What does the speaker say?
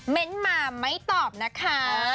เม้นท์มาไม้ตอบนะคะ